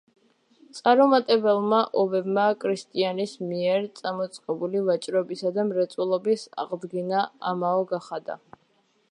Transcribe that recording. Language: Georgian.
წარუმატებელმა ომებმა კრისტიანის მიერ წამოწყებული ვაჭრობისა და მრეწველობის აღდგენა ამაო გახადა.